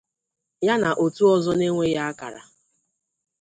ya na otu ọzọ enweghị akara.